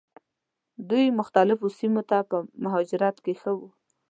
دوی مختلفو سیمو ته په مهاجرت کې ښه وو.